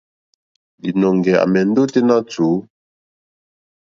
Līnɔ̄ŋgɛ̄ à mɛ̀ndɛ́ ôténá tùú.